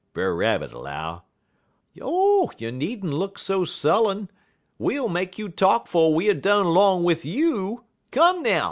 Brer Rabbit 'low: "'Oh, you nee'nter look so sullen! We ull make you talk 'fo' we er done 'long wid you! Come, now!